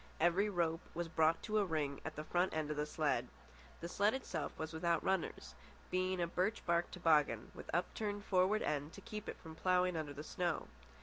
Every rope was brought to a ring at the front end of the sled. The sled itself was without runners, being a birch bark toboggan, with upturned forward end to keep it from ploughing under the snow.